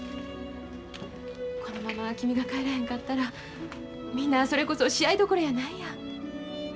このまま君が帰らへんかったらみんなそれこそ試合どころやないやん。